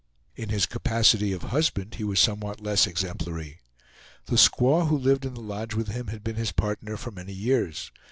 In his capacity of husband he was somewhat less exemplary. The squaw who lived in the lodge with him had been his partner for many years.